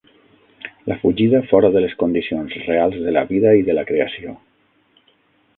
la fugida fora de les condicions reals de la vida i de la creació.